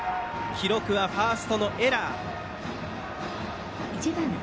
記録はファーストのエラー。